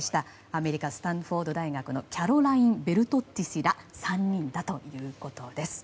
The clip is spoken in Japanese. アメリカ、スタンフォード大学のキャロライン・ベルトッツィ氏ら３人ということです。